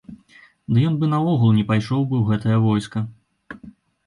Ды ён бы наогул не пайшоў бы ў гэтае войска.